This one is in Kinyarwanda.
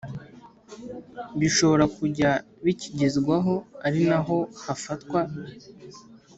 Bishobora kujya bikigezwaho ari naho hafatwa